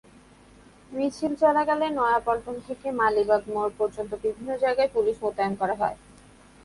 মিছিল চলাকালে নয়াপল্টন থেকে মালিবাগ মোড় পর্যন্ত বিভিন্ন জায়গায় পুলিশ মোতায়েন করা হয়।